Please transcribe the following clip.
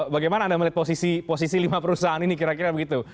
bagaimana anda melihat posisi lima perusahaan ini kira kira begitu